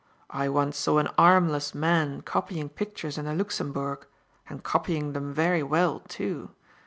I once saw an armless man copying pictures in the Luxembourg, and copying them very well, too.